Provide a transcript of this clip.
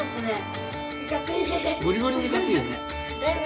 ゴリゴリにいかついよね。